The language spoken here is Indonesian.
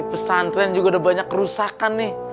pesantren juga udah banyak kerusakan nih